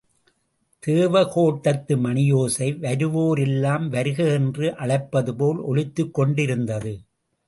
தேவகோட்டத்து மணியோசை வருவோரெல்லாம் வருக என்று அழைப்பதுபோல் ஒலித்துக் கொண்டிருந்தது.